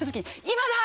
今だ！